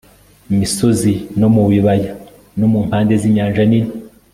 misozi no mu bibaya no mu mpande z Inyanja Nini